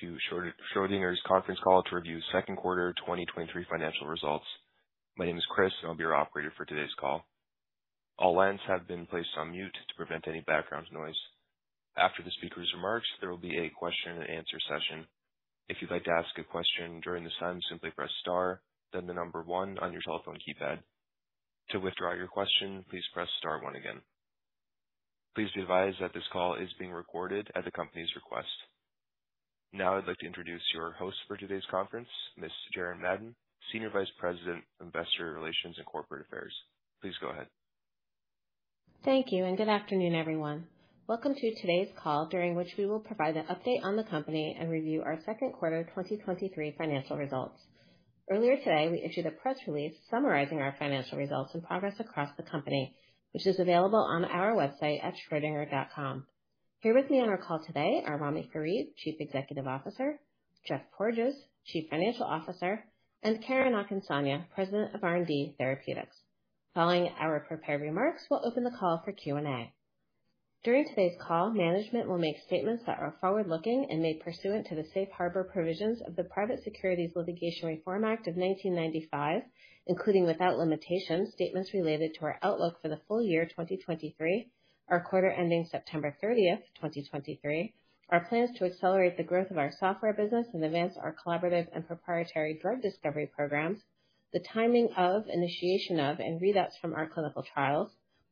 to Schrödinger's conference call to review second quarter 2023 financial results. My name is Chris. I'll be your operator for today's call. All lines have been placed on mute to prevent any background noise. After the speaker's remarks, there will be a question and answer session. If you'd like to ask a question during this time, simply press star, then the number one on your telephone keypad. To withdraw your question, please press star one again. Please be advised that this call is being recorded at the company's request. Now I'd like to introduce your host for today's conference, Miss Sharon Madden, Senior Vice President, Investor Relations and Corporate Affairs. Please go ahead. Thank you. Good afternoon, everyone. Welcome to today's call, during which we will provide an update on the company and review our second quarter 2023 financial results. Earlier today, we issued a press release summarizing our financial results and progress across the company, which is available on our website at schrodinger.com. Here with me on our call today are Ramy Farid, Chief Executive Officer, Geoff Porges, Chief Financial Officer, and Karen Akinsanya, President of R&D Therapeutics. Following our prepared remarks, we'll open the call for Q&A. During today's call, management will make statements that are forward-looking and made pursuant to the Safe Harbor Provisions of the Private Securities Litigation Reform Act of 1995, including without limitation, statements related to our outlook for the full year 2023, our quarter ending September 30, 2023, our plans to accelerate the growth of our software business and advance our collaborative and proprietary drug discovery programs, the timing of, initiation of, and readouts from our clinical trials,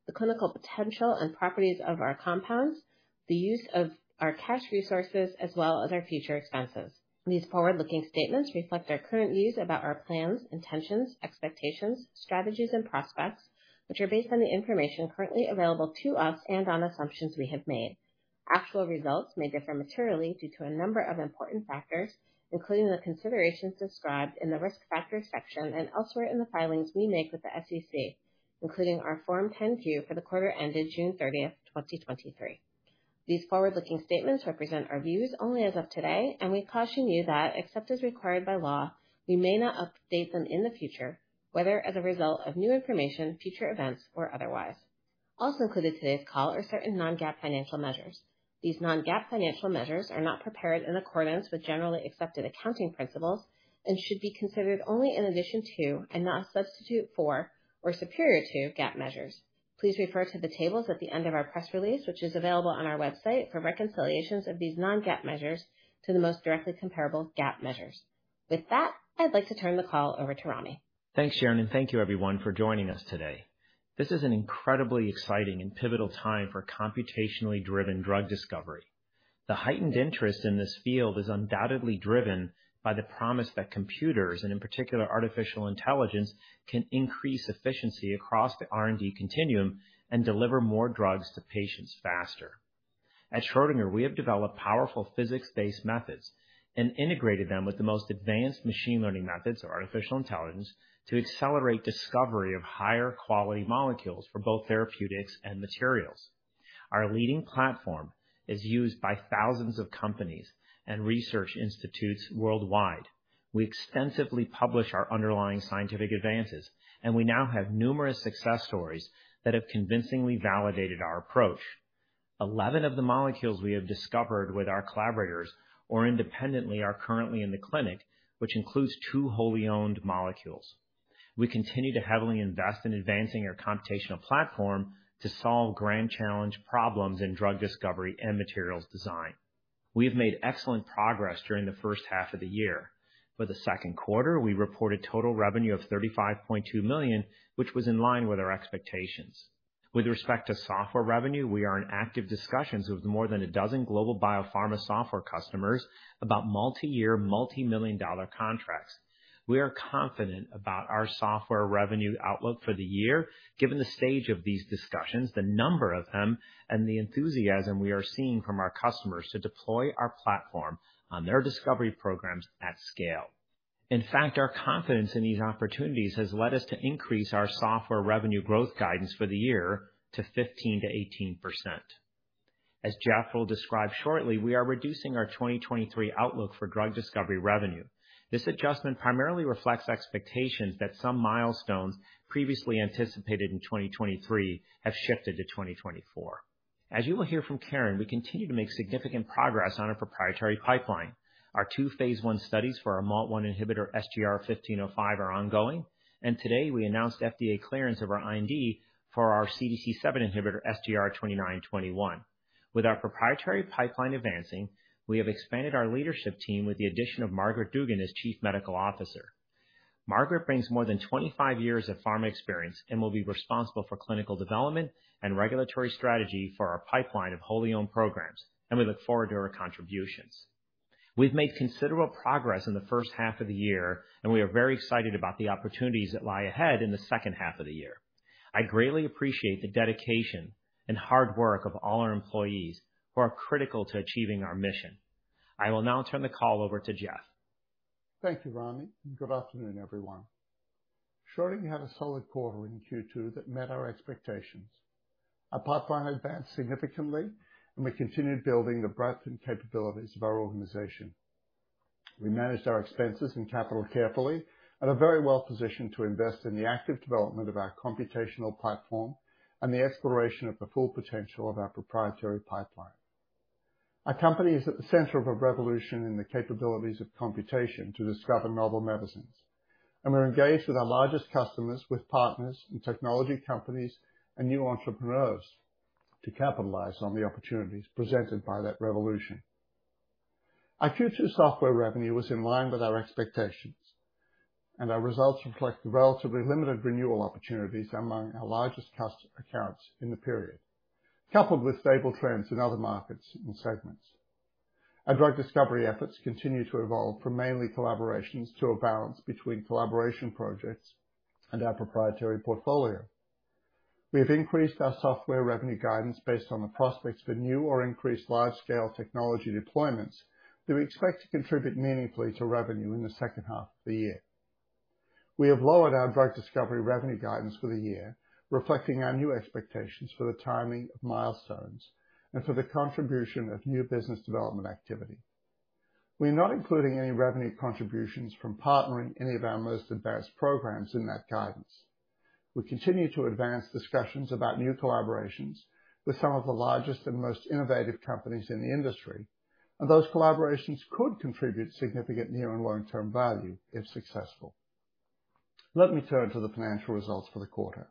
the clinical potential and properties of our compounds, the use of our cash resources, as well as our future expenses. These forward-looking statements reflect our current views about our plans, intentions, expectations, strategies, and prospects, which are based on the information currently available to us and on assumptions we have made. Actual results may differ materially due to a number of important factors, including the considerations described in the Risk Factors section and elsewhere in the filings we make with the SEC, including our Form 10-Q for the quarter ended June 30th, 2023. These forward-looking statements represent our views only as of today, and we caution you that, except as required by law, we may not update them in the future, whether as a result of new information, future events, or otherwise. Also included in today's call are certain non-GAAP financial measures. These non-GAAP financial measures are not prepared in accordance with generally accepted accounting principles and should be considered only in addition to and not a substitute for or superior to GAAP measures. Please refer to the tables at the end of our press release, which is available on our website, for reconciliations of these non-GAAP measures to the most directly comparable GAAP measures. With that, I'd like to turn the call over to Rommie. Thanks, Sharon, and thank you everyone for joining us today. This is an incredibly exciting and pivotal time for computationally driven drug discovery. The heightened interest in this field is undoubtedly driven by the promise that computers, and in particular artificial intelligence, can increase efficiency across the R&D continuum and deliver more drugs to patients faster. At Schrödinger, we have developed powerful physics-based methods and integrated them with the most advanced machine learning methods or artificial intelligence, to accelerate discovery of higher quality molecules for both therapeutics and materials. Our leading platform is used by thousands of companies and research institutes worldwide. We extensively publish our underlying scientific advances, and we now have numerous success stories that have convincingly validated our approach. 11 of the molecules we have discovered with our collaborators or independently, are currently in the clinic, which includes two wholly owned molecules. We continue to heavily invest in advancing our computational platform to solve grand challenge problems in drug discovery and materials design. We have made excellent progress during the first half of the year. For the second quarter, we reported total revenue of $35.2 million, which was in line with our expectations. With respect to software revenue, we are in active discussions with more than a dozen global biopharma software customers about multi-year, multi-million dollar contracts. We are confident about our software revenue outlook for the year, given the stage of these discussions, the number of them, and the enthusiasm we are seeing from our customers to deploy our platform on their discovery programs at scale. In fact, our confidence in these opportunities has led us to increase our software revenue growth guidance for the year to 15%-18%. As Geoff will describe shortly, we are reducing our 2023 outlook for drug discovery revenue. This adjustment primarily reflects expectations that some milestones previously anticipated in 2023 have shifted to 2024. As you will hear from Karen, we continue to make significant progress on our proprietary pipeline. Our two phase I studies for our MALT1 inhibitor, SGR-1505, are ongoing. Today we announced FDA clearance of our IND for our CDC7 inhibitor, SGR-2921. With our proprietary pipeline advancing, we have expanded our leadership team with the addition of Margaret Dugan as Chief Medical Officer. Margaret brings more than 25 years of pharma experience and will be responsible for clinical development and regulatory strategy for our pipeline of wholly owned programs. We look forward to her contributions. We've made considerable progress in the first half of the year, and we are very excited about the opportunities that lie ahead in the second half of the year. I greatly appreciate the dedication and hard work of all our employees who are critical to achieving our mission. I will now turn the call over to Geoff. Thank you, Rommie. Good afternoon, everyone. Schrödinger had a solid quarter in Q2 that met our expectations. Our pipeline advanced significantly, and we continued building the breadth and capabilities of our organization. We managed our expenses and capital carefully, and are very well-positioned to invest in the active development of our computational platform, and the exploration of the full potential of our proprietary pipeline. Our company is at the center of a revolution in the capabilities of computation to discover novel medicines, and we're engaged with our largest customers, with partners and technology companies and new entrepreneurs, to capitalize on the opportunities presented by that revolution. Our Q2 software revenue was in line with our expectations, and our results reflect the relatively limited renewal opportunities among our largest customers accounts in the period, coupled with stable trends in other markets and segments. Our drug discovery efforts continue to evolve from mainly collaborations to a balance between collaboration projects and our proprietary portfolio. We have increased our software revenue guidance based on the prospects for new or increased large-scale technology deployments, that we expect to contribute meaningfully to revenue in the second half of the year. We have lowered our drug discovery revenue guidance for the year, reflecting our new expectations for the timing of milestones and for the contribution of new business development activity. We're not including any revenue contributions from partnering any of our most advanced programs in that guidance. We continue to advance discussions about new collaborations with some of the largest and most innovative companies in the industry, those collaborations could contribute significant near and long-term value if successful. Let me turn to the financial results for the quarter.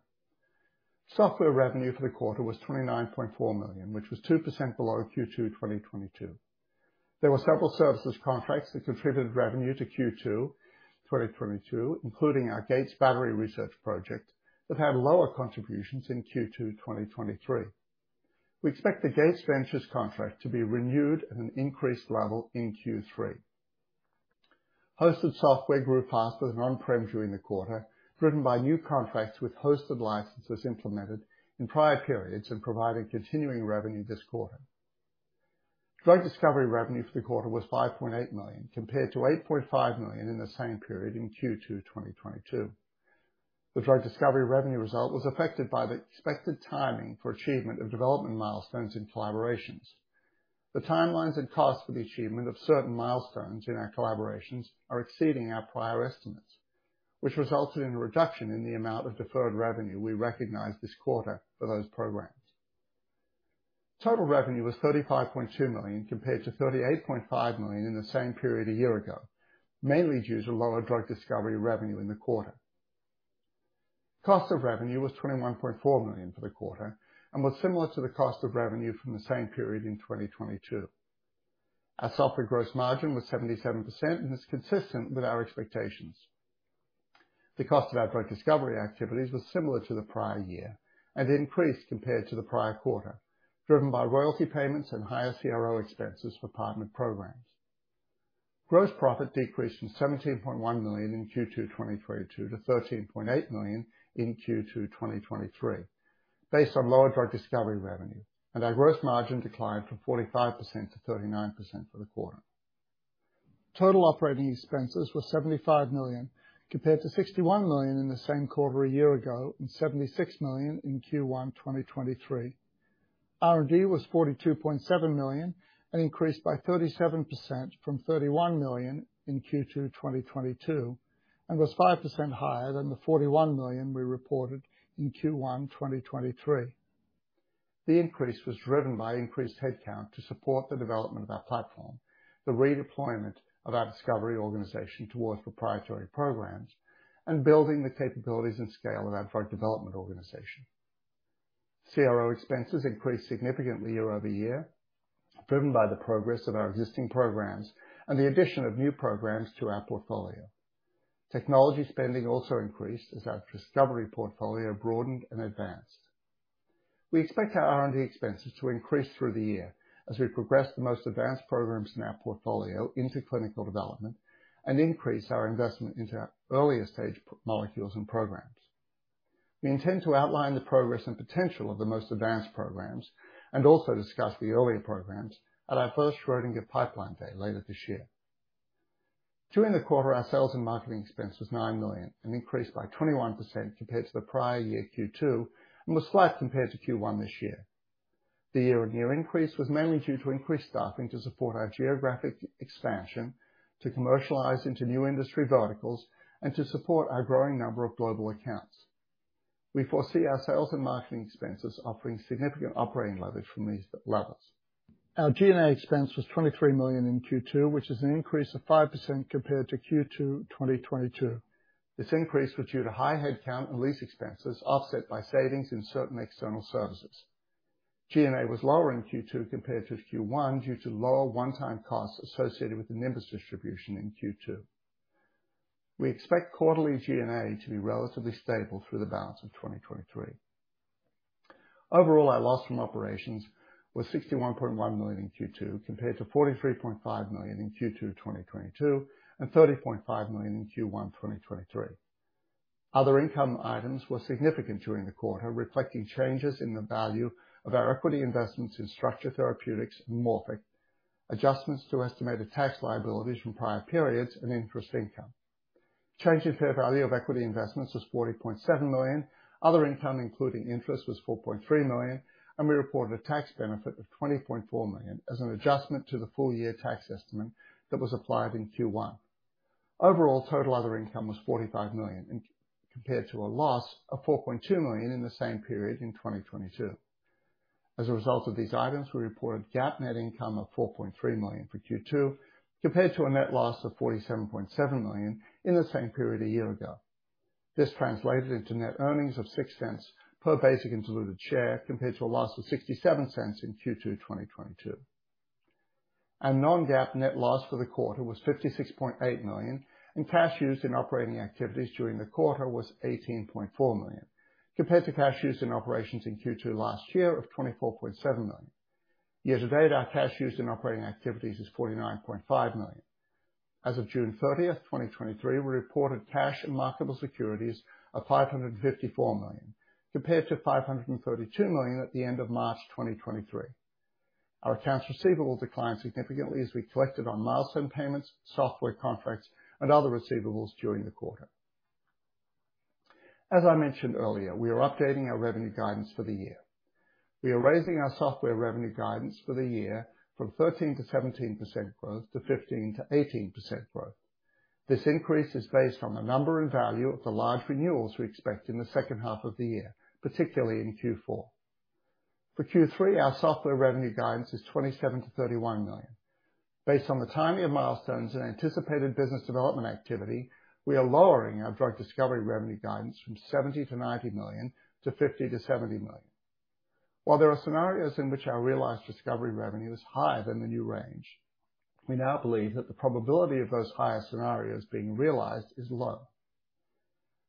Software revenue for the quarter was $29.4 million, which was 2% below Q2 2022. There were several services contracts that contributed revenue to Q2 2022, including our Gates Battery research project, that had lower contributions in Q2 2023. We expect the Gates Ventures contract to be renewed at an increased level in Q3. Hosted software grew faster than on-prem during the quarter, driven by new contracts with hosted licenses implemented in prior periods and providing continuing revenue this quarter. Drug discovery revenue for the quarter was $5.8 million, compared to $8.5 million in the same period in Q2 2022. The drug discovery revenue result was affected by the expected timing for achievement of development milestones in collaborations. The timelines and costs for the achievement of certain milestones in our collaborations are exceeding our prior estimates, which resulted in a reduction in the amount of deferred revenue we recognized this quarter for those programs. Total revenue was $35.2 million, compared to $38.5 million in the same period a year ago, mainly due to lower drug discovery revenue in the quarter. Cost of revenue was $21.4 million for the quarter and was similar to the cost of revenue from the same period in 2022. Our software gross margin was 77% and is consistent with our expectations. The cost of our drug discovery activities was similar to the prior year and increased compared to the prior quarter, driven by royalty payments and higher CRO expenses for partnered programs. Gross profit decreased from $17.1 million in Q2 2022 to $13.8 million in Q2 2023, based on lower drug discovery revenue, and our gross margin declined from 45% to 39% for the quarter. Total operating expenses were $75 million, compared to $61 million in the same quarter a year ago, and $76 million in Q1 2023. R&D was $42.7 million, and increased by 37% from $31 million in Q2 2022, and was 5% higher than the $41 million we reported in Q1 2023. The increase was driven by increased headcount to support the development of our platform, the redeployment of our discovery organization towards proprietary programs, and building the capabilities and scale of our drug development organization. CRO expenses increased significantly year-over-year, driven by the progress of our existing programs and the addition of new programs to our portfolio. Technology spending also increased as our discovery portfolio broadened and advanced. We expect our R&D expenses to increase through the year as we progress the most advanced programs in our portfolio into clinical development and increase our investment into our earlier-stage molecules and programs. We intend to outline the progress and potential of the most advanced programs, and also discuss the earlier programs, at our first Schrödinger Pipeline Day later this year. During the quarter, our sales and marketing expense was $9 million, an increase by 21% compared to the prior year, Q2, and was flat compared to Q1 this year. The year-over-year increase was mainly due to increased staffing to support our geographic expansion, to commercialize into new industry verticals, and to support our growing number of global accounts. We foresee our sales and marketing expenses offering significant operating leverage from these levels. Our G&A expense was $23 million in Q2, which is an increase of 5% compared to Q2 2022. This increase was due to high headcount and lease expenses, offset by savings in certain external services. G&A was lower in Q2 compared to Q1, due to lower one-time costs associated with the Nimbus distribution in Q2. We expect quarterly G&A to be relatively stable through the balance of 2023. Overall, our loss from operations was $61.1 million in Q2, compared to $43.5 million in Q2 2022, and $30.5 million in Q1 2023. Other income items were significant during the quarter, reflecting changes in the value of our equity investments in Structure Therapeutics and Morphic, adjustments to estimated tax liabilities from prior periods, and interest income. Change in fair value of equity investments was $40.7 million. Other income, including interest, was $4.3 million, and we reported a tax benefit of $20.4 million as an adjustment to the full year tax estimate that was applied in Q1. Overall, total other income was $45 million, compared to a loss of $4.2 million in the same period in 2022. As a result of these items, we reported GAAP net income of $4.3 million for Q2, compared to a net loss of $47.7 million in the same period a year ago. This translated into net earnings of $0.06 per basic and diluted share, compared to a loss of $0.67 in Q2, 2022. Our non-GAAP net loss for the quarter was $56.8 million, cash used in operating activities during the quarter was $18.4 million, compared to cash used in operations in Q2 last year of $24.7 million. Year-to-date, our cash used in operating activities is $49.5 million. As of June 30, 2023, we reported cash and marketable securities of $554 million, compared to $532 million at the end of March, 2023. Our accounts receivable declined significantly as we collected on milestone payments, software contracts, and other receivables during the quarter. As I mentioned earlier, we are updating our revenue guidance for the year. We are raising our software revenue guidance for the year from 13%-17% growth to 15%-18% growth. This increase is based on the number and value of the large renewals we expect in the second half of the year, particularly in Q4. For Q3, our software revenue guidance is $27 million-$31 million. Based on the timing of milestones and anticipated business development activity, we are lowering our drug discovery revenue guidance from $70 million-$90 million to $50 million-$70 million. While there are scenarios in which our realized discovery revenue is higher than the new range, we now believe that the probability of those higher scenarios being realized is low.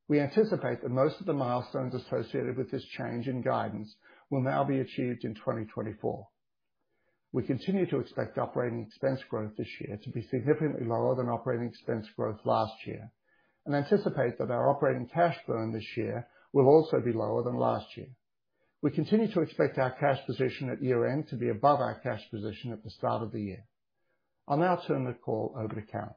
We anticipate that most of the milestones associated with this change in guidance will now be achieved in 2024. We continue to expect operating expense growth this year to be significantly lower than operating expense growth last year, and anticipate that our operating cash burn this year will also be lower than last year. We continue to expect our cash position at year-end to be above our cash position at the start of the year. I'll now turn the call over to Karen.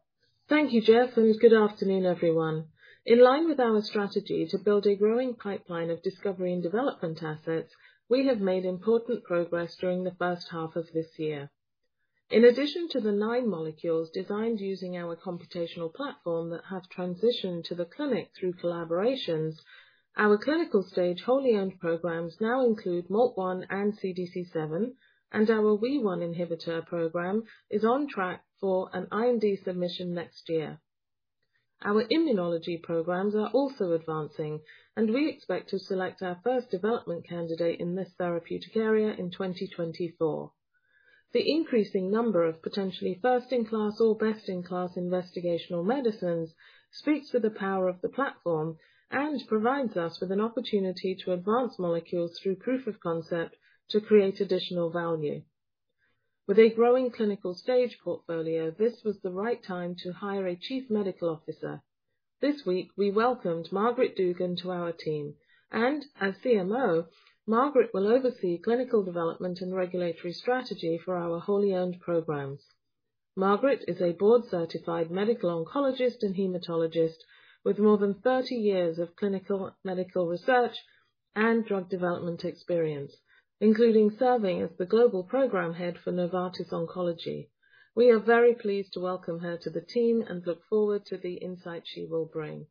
Thank you, Geoff. Good afternoon, everyone. In line with our strategy to build a growing pipeline of discovery and development assets, we have made important progress during the first half of this year. In addition to the nine molecules designed using our computational platform that have transitioned to the clinic through collaborations, our clinical-stage, wholly-owned programs now include MALT1 and CDC7, and our Wee1 inhibitor program is on track for an IND submission next year. Our immunology programs are also advancing, and we expect to select our first development candidate in this therapeutic area in 2024. The increasing number of potentially first-in-class or best-in-class investigational medicines speaks to the power of the platform and provides us with an opportunity to advance molecules through proof of concept to create additional value. With a growing clinical stage portfolio, this was the right time to hire a chief medical officer. This week, we welcomed Margaret Dugan to our team, and as CMO, Margaret will oversee clinical development and regulatory strategy for our wholly-owned programs. Margaret is a board-certified medical oncologist and hematologist with more than 30 years of clinical, medical research, and drug development experience, including serving as the global program head for Novartis Oncology. We are very pleased to welcome her to the team and look forward to the insight she will bring.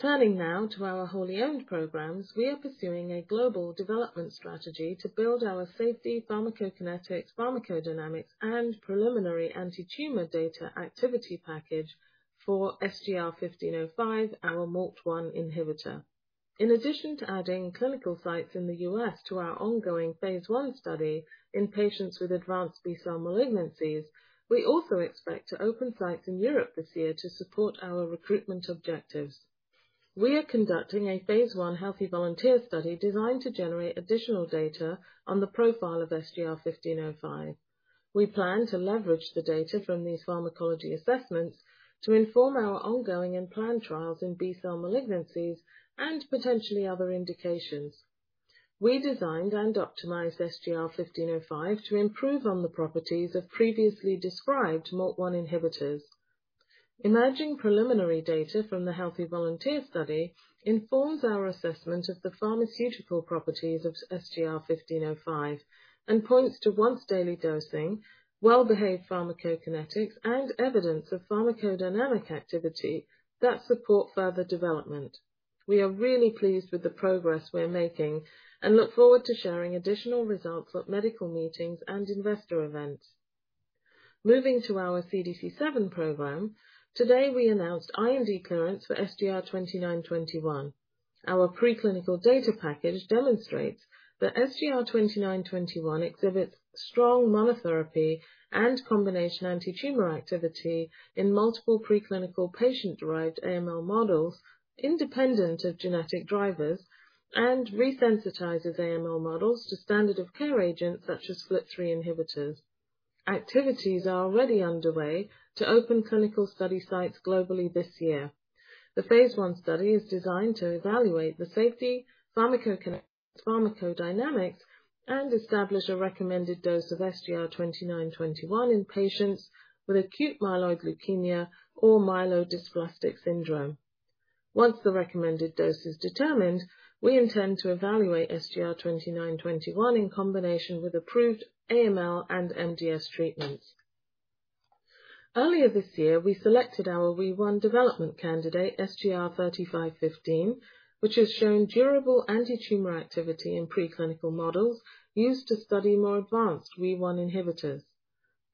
Turning now to our wholly-owned programs, we are pursuing a global development strategy to build our safety, pharmacokinetics, pharmacodynamics, and preliminary antitumor data activity package for SGR-1505, our MALT1 inhibitor. In addition to adding clinical sites in the U.S. to our ongoing phase I study in patients with advanced B-cell malignancies, we also expect to open sites in Europe this year to support our recruitment objectives. We are conducting a phase I healthy volunteer study designed to generate additional data on the profile of SGR-1505. We plan to leverage the data from these pharmacology assessments to inform our ongoing and planned trials in B-cell malignancies and potentially other indications. We designed and optimized SGR-1505 to improve on the properties of previously described MALT1 inhibitors. Emerging preliminary data from the healthy volunteer study informs our assessment of the pharmaceutical properties of SGR-1505, and points to once-daily dosing, well-behaved pharmacokinetics, and evidence of pharmacodynamic activity that support further development. We are really pleased with the progress we're making and look forward to sharing additional results at medical meetings and investor events. Moving to our CDC7 program, today, we announced IND clearance for SGR-2921. Our preclinical data package demonstrates that SGR-2921 exhibits strong monotherapy and combination antitumor activity in multiple preclinical patient-derived AML models, independent of genetic drivers, and resensitizes AML models to standard of care agents such as FLT3 inhibitors. Activities are already underway to open clinical study sites globally this year. The phase I study is designed to evaluate the safety, pharmacokinetics, pharmacodynamics and establish a recommended dose of SGR-2921 in patients with acute myeloid leukemia or myelodysplastic syndrome. Once the recommended dose is determined, we intend to evaluate SGR-2921 in combination with approved AML and MDS treatments. Earlier this year, we selected our Wee1 development candidate, SGR-3515, which has shown durable anti-tumor activity in preclinical models used to study more advanced Wee1 inhibitors.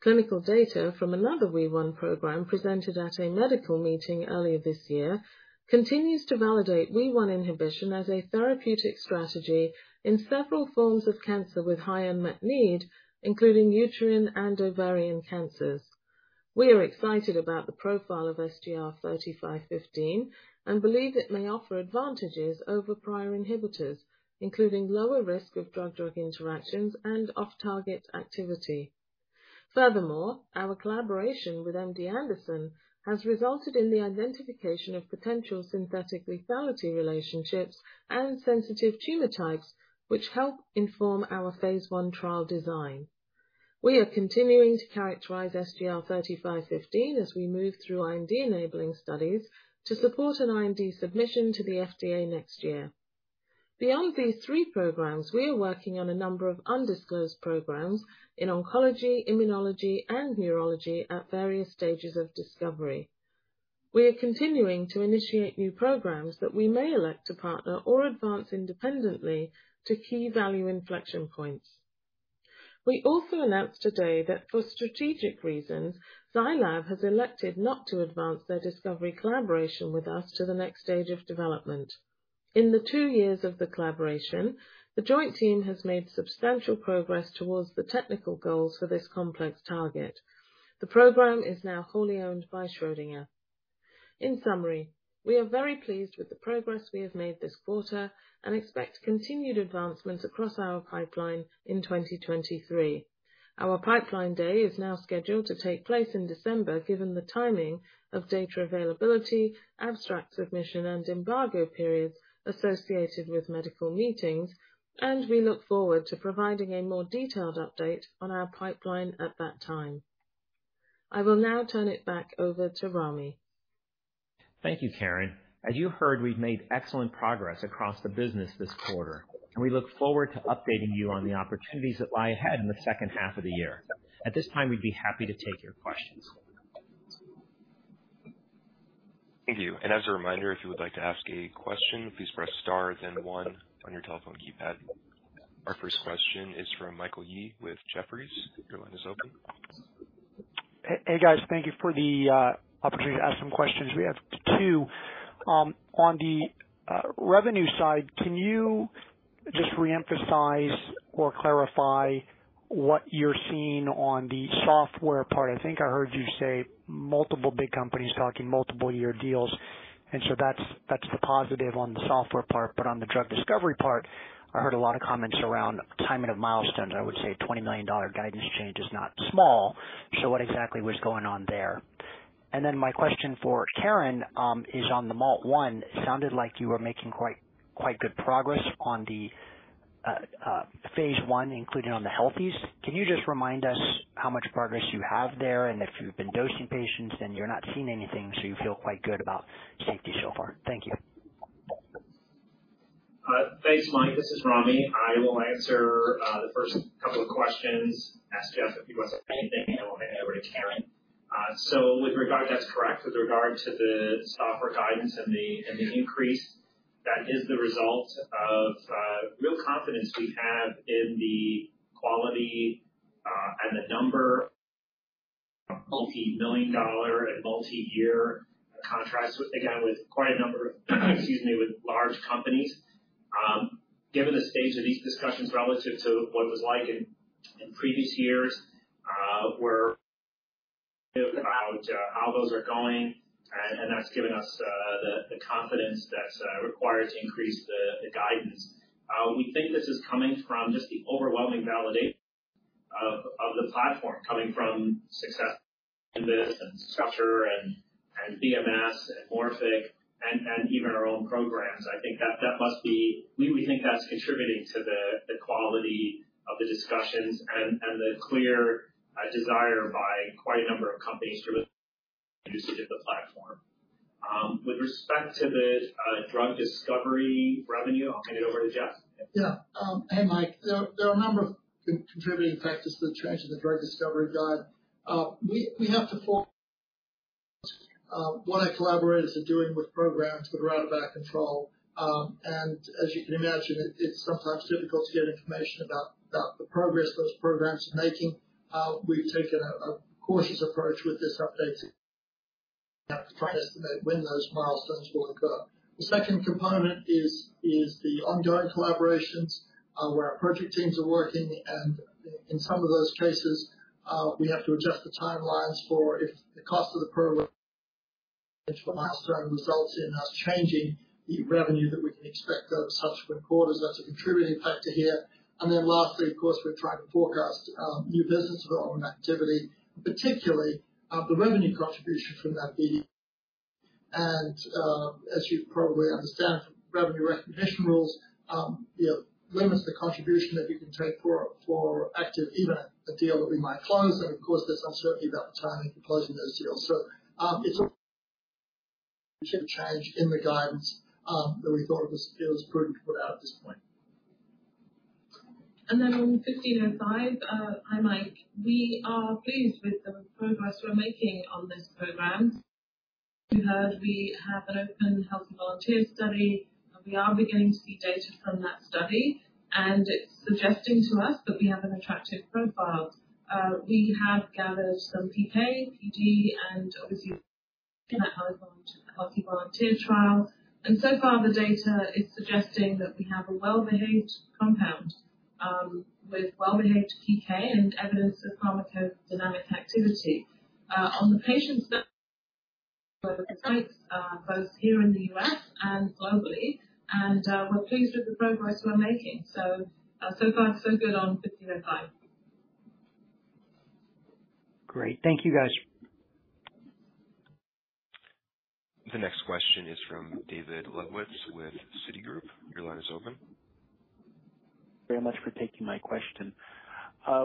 Clinical data from another Wee1 program, presented at a medical meeting earlier this year, continues to validate Wee1 inhibition as a therapeutic strategy in several forms of cancer with high unmet need, including uterine and ovarian cancers. We are excited about the profile of SGR-3515 and believe it may offer advantages over prior inhibitors, including lower risk of drug-drug interactions and off-target activity. Furthermore, our collaboration with MD Anderson has resulted in the identification of potential synthetic lethality relationships and sensitive tumor types, which help inform our phase I trial design. We are continuing to characterize SGR-3515 as we move through IND-enabling studies to support an IND submission to the FDA next year. Beyond these three programs, we are working on a number of undisclosed programs in oncology, immunology, and neurology at various stages of discovery. We are continuing to initiate new programs that we may elect to partner or advance independently to key value inflection points. We also announced today that for strategic reasons, Zai Lab has elected not to advance their discovery collaboration with us to the next stage of development. In the two years of the collaboration, the joint team has made substantial progress towards the technical goals for this complex target. The program is now wholly owned by Schrödinger. In summary, we are very pleased with the progress we have made this quarter and expect continued advancements across our pipeline in 2023. Our Pipeline Day is now scheduled to take place in December, given the timing of data availability, abstract submission, and embargo periods associated with medical meetings, and we look forward to providing a more detailed update on our pipeline at that time. I will now turn it back over to Rommie. Thank you, Karen. As you heard, we've made excellent progress across the business this quarter, and we look forward to updating you on the opportunities that lie ahead in the second half of the year. At this time, we'd be happy to take your questions. Thank you. As a reminder, if you would like to ask a question, please press star, then one on your telephone keypad. Our first question is from Michael Yee with Jefferies. Your line is open. Hey, guys. Thank you for the opportunity to ask some questions. We have two. On the revenue side, can you just reemphasize or clarify what you're seeing on the software part? I think I heard you say multiple big companies talking multiple year deals, and so that's, that's the positive on the software part. On the drug discovery part, I heard a lot of comments around timing of milestones. I would say $20 million guidance change is not small. What exactly was going on there? My question for Karen is on the MALT1. Sounded like you were making quite, quite good progress on the phase I, including on the healthies. Can you just remind us how much progress you have there? If you've been dosing patients and you're not seeing anything, so you feel quite good about safety so far? Thank you. Thanks, Mike. This is Ramy. I will answer the first couple of questions, ask Geoff if he wants to say anything, and we'll hand it over to Karen. With regard, that's correct. With regard to the software guidance and the increase, that is the result of real confidence we have in the quality and the number of multi-million dollar and multi-year contracts, again, with quite a number of, excuse me, with large companies. Given the stage of these discussions relative to what it was like in previous years, we're about how those are going, and that's given us the confidence that's required to increase the guidance. We think this is coming from just the overwhelming validation of, of the platform, coming from success in this and Structure and, and BMS and Morphic and, and even our own programs. We think that's contributing to the, the quality of the discussions and, and the clear desire by quite a number of companies to the platform. With respect to the drug discovery revenue, I'll hand it over to Geoff. Yeah. Hey, Mike. There, there are a number of contributing factors to the change in the drug discovery guide. We have to for what our collaborators are doing with programs that are out of our control. As you can imagine, it's sometimes difficult to get information about the progress those programs are making. We've taken a cautious approach with this update to try and estimate when those milestones will occur. The second component is the ongoing collaborations where our project teams are working, in some of those cases, we have to adjust the timelines for if the cost of the program, which milestone results in us changing the revenue that we can expect over subsequent quarters. That's a contributing factor here. Then lastly, of course, we're trying to forecast new business development activity, particularly the revenue contribution from that BD- as you probably understand, revenue recognition rules, you know, limits the contribution that we can take for, for active event, a deal that we might close. Of course, there's uncertainty about the timing for closing those deals. It's a change in the guidance that we thought it was, feels prudent to put out at this point. and 5, hi, Mike. We are pleased with the progress we're making on this program. You heard we have an open healthy volunteer study, and we are beginning to see data from that study, and it's suggesting to us that we have an attractive profile. We have gathered some PK, PD, and obviously in a healthy, healthy volunteer trial. So far, the data is suggesting that we have a well-behaved compound with well-behaved PK and evidence of pharmacodynamic activity. On the patient side, both here in the U.S. and globally, and we're pleased with the progress we're making. So far, so good on 15 and 5. Great. Thank you, guys. The next question is from David Lebowitz with Citigroup. Your line is open. Thank you very much for taking my question.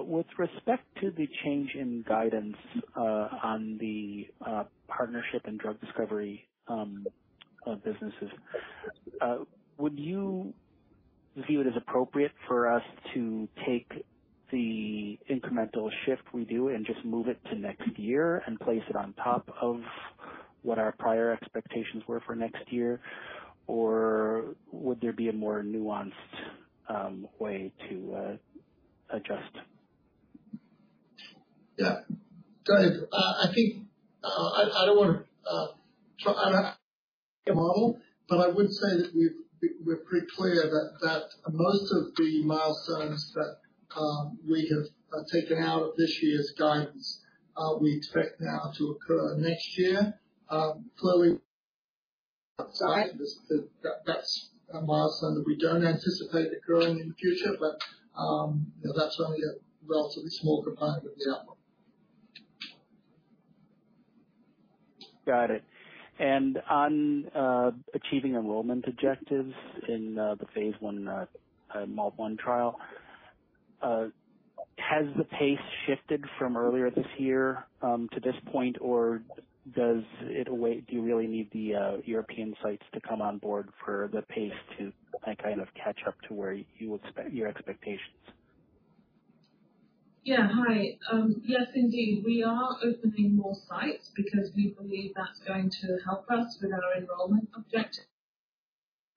With respect to the change in guidance on the partnership and drug discovery businesses, would you view it as appropriate for us to take the incremental shift we do and just move it to next year and place it on top of what our prior expectations were for next year? Or would there be a more nuanced way to adjust? Yeah. Dave, I think, I, I don't wanna try a model, but I would say that we're pretty clear that most of the milestones that we have taken out of this year's guidance, we expect now to occur next year. Clearly, outside, that's a milestone that we don't anticipate occurring in the future, but, you know, that's only a relatively small component of the output. Got it. On achieving enrollment objectives in the phase I MALT1 trial. Has the pace shifted from earlier this year to this point, or does it await, do you really need the European sites to come on board for the pace to, like, kind of catch up to where you expect, your expectations? Yeah. Hi, yes, indeed. We are opening more sites because we believe that's going to help us with our enrollment objective.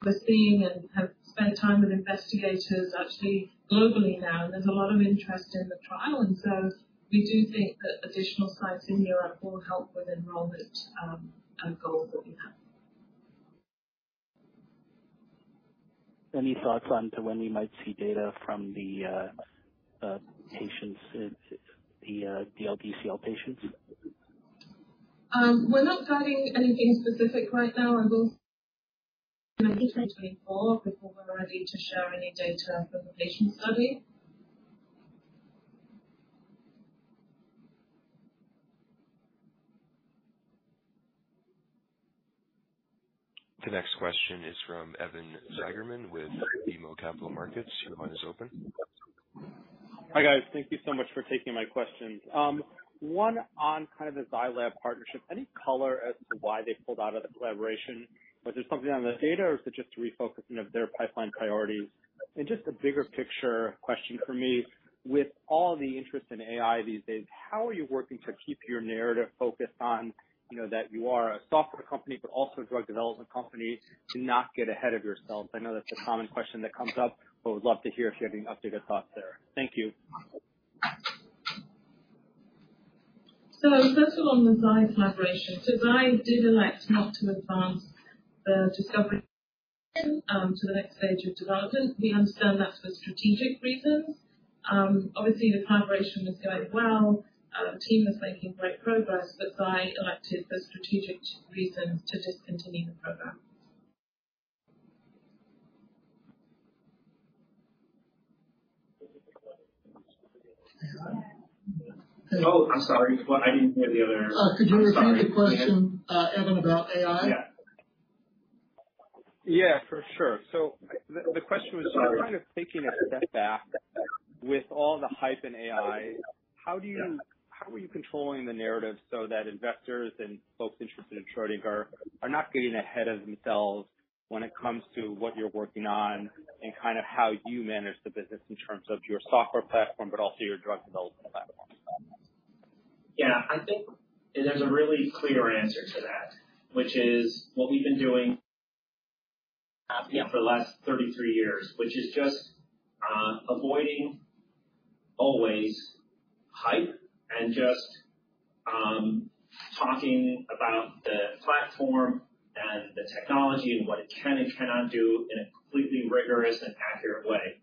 We're seeing and have spent time with investigators, actually globally now, and there's a lot of interest in the trial, and so we do think that additional sites in Europe will help with enrollment, a goal that we have. Any thoughts on to when we might see data from the patients, the the DLBCL patients? We're not guiding anything specific right now, and we'll 2024, before we're ready to share any data from the patient study. The next question is from Evan Seigerman with BMO Capital Markets. Your line is open. Hi, guys. Thank you so much for taking my questions. One, on kind of the Zai Lab partnership, any color as to why they pulled out of the collaboration? Was there something on the data or is it just a refocusing of their pipeline priorities? Just a bigger picture question for me. With all the interest in AI these days, how are you working to keep your narrative focused on, you know, that you are a software company, but also a drug development company to not get ahead of yourselves? I know that's a common question that comes up, but would love to hear if you have any updated thoughts there. Thank you. First of all, on the Zai collaboration. Zai do elect not to advance the, to go, to the next stage of development. We understand that for strategic reasons. Obviously the collaboration is going well. The team is making great progress, but Zai elected for strategic reasons to discontinue the program. Oh, I'm sorry, what? I didn't hear the other- Could you repeat the question, Evan, about AI? Yeah. Yeah, for sure. The, the question was kind of taking a step back with all the hype in AI, how do you- how are you controlling the narrative so that investors and folks interested in Schrödinger are, are not getting ahead of themselves when it comes to what you're working on and kind of how you manage the business in terms of your software platform, but also your drug development platform? Yeah, I think there's a really clear answer to that, which is what we've been doing, yeah, for the last 33 years, which is just avoiding always hype and just talking about the platform and the technology and what it can and cannot do in a completely rigorous and accurate way.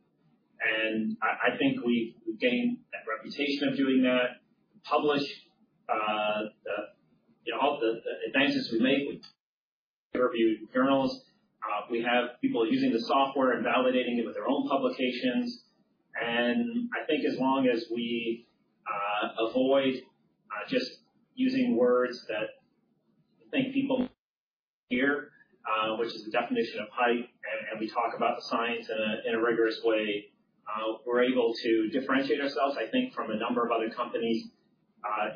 And I, I think we've gained that reputation of doing that, publish, the, you know, all the, the advances we make with peer-reviewed journals. We have people using the software and validating it with their own publications. And I think as long as we avoid just using words that I think people hear, which is the definition of hype. We talk about the science in a, in a rigorous way. We're able to differentiate ourselves, I think, from a number of other companies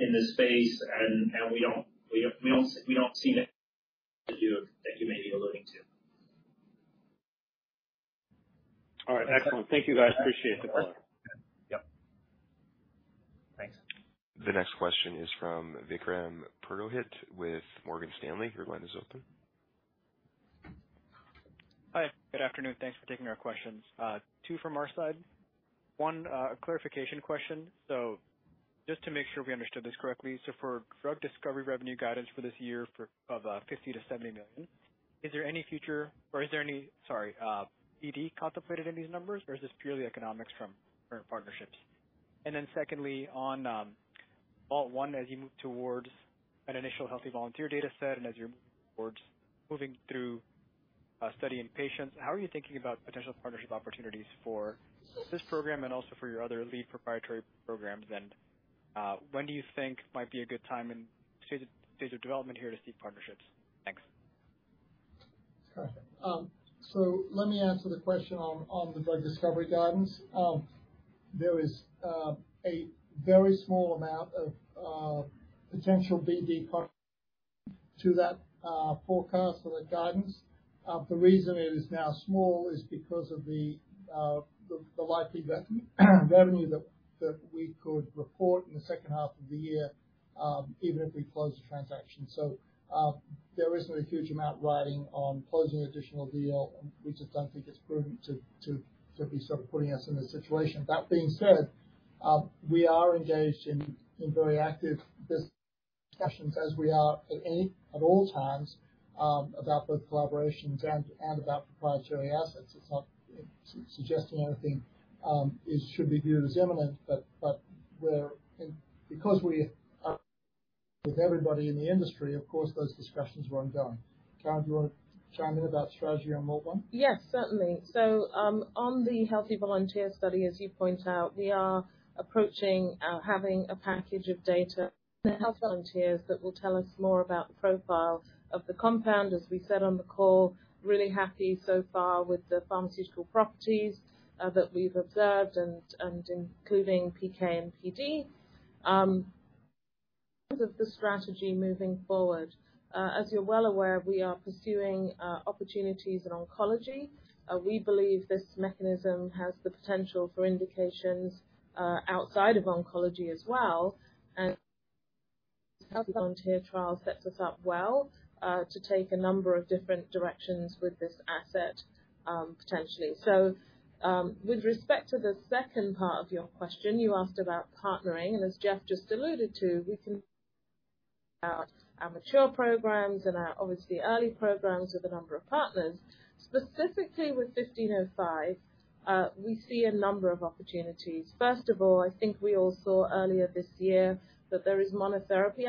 in this space. And we don't, we don't, we don't see that to do that you may be alluding to. All right. Excellent. Thank you, guys. Appreciate the call. Yep. Thanks. The next question is from Vikram Purohit with Morgan Stanley. Your line is open. Hi, good afternoon. Thanks for taking our questions. Two from our side. One, clarification question. Just to make sure we understood this correctly. For drug discovery revenue guidance for this year for, of, $50 million-$70 million, is there any future or is there any. Sorry, ED contemplated in these numbers, or is this purely economics from current partnerships? Secondly, on all one, as you move towards an initial healthy volunteer data set, and as you're towards moving through a study in patients, how are you thinking about potential partnership opportunities for this program and also for your other lead proprietary programs? When do you think might be a good time in state of development here to seek partnerships? Thanks. Let me answer the question on, on the drug discovery guidance. There is a very small amount of potential BD to that forecast or the guidance. The reason it is now small is because of the, the, the likely revenue, revenue that, that we could report in the second half of the year, even if we close the transaction. There isn't a huge amount riding on closing additional deal, which I don't think it's prudent to, to, to be sort of putting us in a situation. That being said, we are engaged in, in very active discussions as we are at any, at all times, about both collaborations and, and about proprietary assets. It's not suggesting anything, it should be viewed as imminent, but, but we're, because we are with everybody in the industry, of course, those discussions were ongoing. Karen, do you want to chime in about strategy on MALT1? Yes, certainly. On the healthy volunteer study, as you point out, we are approaching having a package of data volunteers that will tell us more about the profile of the compound. As we said on the call, really happy so far with the pharmaceutical properties that we've observed and including PK and PD. Of the strategy moving forward. As you're well aware, we are pursuing opportunities in oncology. We believe this mechanism has the potential for indications outside of oncology as well, and volunteer trial sets us up well to take a number of different directions with this asset potentially. With respect to the second part of your question, you asked about partnering, and as Geoff just alluded to, we can our mature programs and our obviously early programs with a number of partners. Specifically with SGR-1505, we see a number of opportunities. First of all, I think we all saw earlier this year that there is monotherapy.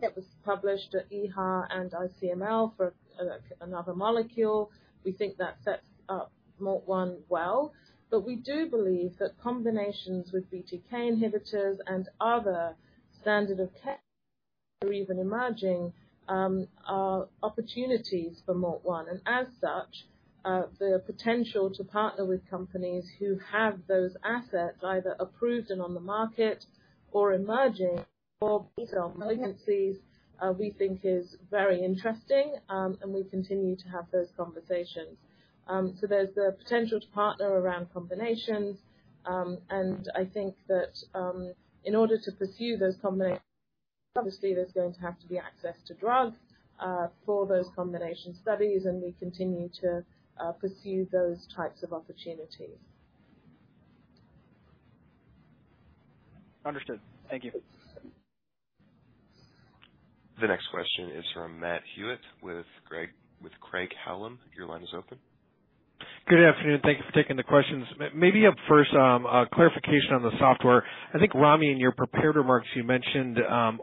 It was published at EHA and ICML for another molecule. We think that sets up MALT1 well, we do believe that combinations with BTK inhibitors and other standard of care, or even emerging, are opportunities for MALT1. As such, the potential to partner with companies who have those assets either approved and on the market or emerging or agencies, we think is very interesting, and we continue to have those conversations. There's the potential to partner around combinations. I think that, in order to pursue those combinations, obviously there's going to have to be access to drugs, for those combination studies, and we continue to pursue those types of opportunities. Understood. Thank you. The next question is from Matt Hewitt, with Greg, with Craig-Hallum. Your line is open. Good afternoon. Thank you for taking the questions. Maybe up first, a clarification on the software. I think, Ramy, in your prepared remarks, you mentioned,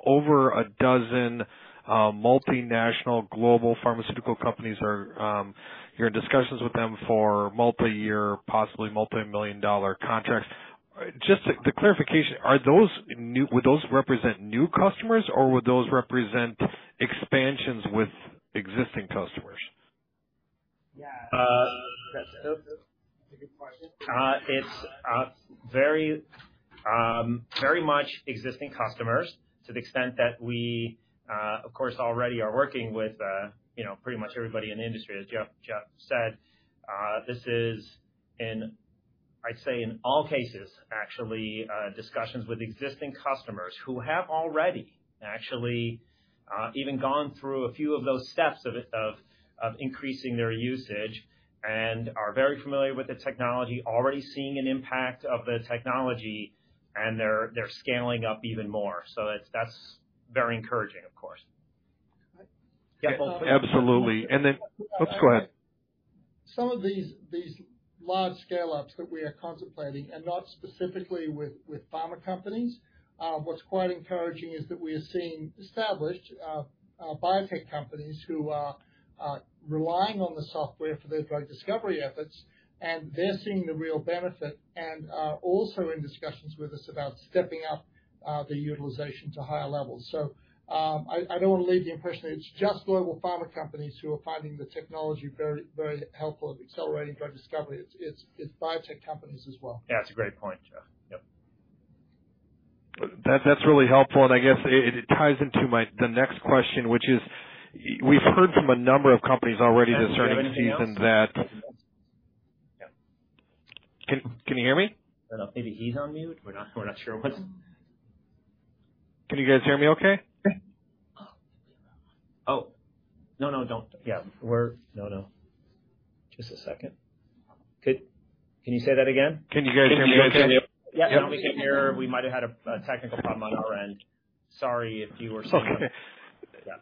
over a dozen multinational global pharmaceutical companies are, you're in discussions with them for multiyear, possibly multi-million dollar contracts. Just the clarification, are those new would those represent new customers, or would those represent expansions with existing customers? Yeah. That's a good question. It's very, very much existing customers to the extent that we, of course, already are working with, you know, pretty much everybody in the industry. As Geoff, Geoff said, this is in, I'd say, in all cases, actually, discussions with existing customers who have already actually, even gone through a few of those steps of, of, of increasing their usage and are very familiar with the technology, already seeing an impact of the technology, and they're, they're scaling up even more. That's, that's very encouraging of course. Absolutely. And then. Oops, go ahead. Some of these, these large scale ups that we are contemplating are not specifically with, with pharma companies. What's quite encouraging is that we are seeing established, biotech companies who are relying on the software for their drug discovery efforts, and they're seeing the real benefit and are also in discussions with us about stepping up the utilization to higher levels. I, I don't want to leave the impression that it's just global pharma companies who are finding the technology very, very helpful in accelerating drug discovery. It's, it's, it's biotech companies as well. Yeah, that's a great point, Geoff. Yep. That, that's really helpful, and I guess it, it ties into my next question, which is, we've heard from a number of companies already this earnings season that- Yeah. Can, can you hear me? I don't know. Maybe he's on mute. We're not sure what's- Can you guys hear me okay? Oh, no, no, don't. Yeah, no, no. Just a second. Can you say that again? Can you guys hear me okay? Yeah, now we can hear. We might have had a technical problem on our end. Sorry if you were- It's okay. Yeah.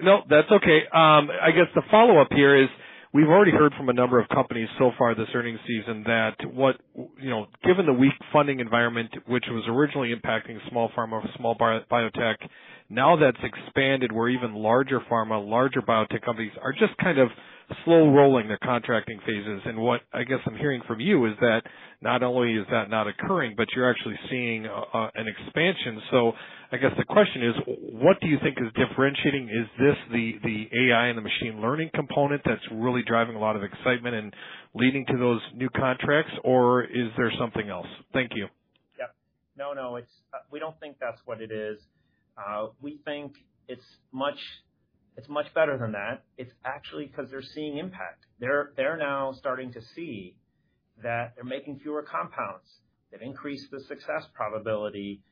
No, that's okay. I guess the follow-up here is, we've already heard from a number of companies so far this earnings season that you know, given the weak funding environment, which was originally impacting small pharma, small biotech, now that's expanded, where even larger pharma, larger biotech companies are just kind of slow rolling their contracting phases. What I guess I'm hearing from you is that not only is that not occurring, but you're actually seeing an expansion. I guess the question is: what do you think is differentiating? Is this the, the AI and the machine learning component that's really driving a lot of excitement and leading to those new contracts, or is there something else? Thank you. Yeah. No, no, it's. We don't think that's what it is. We think it's much, it's much better than that. It's actually 'cause they're seeing impact. They're now starting to see that they're making fewer compounds. They've increased the success probability.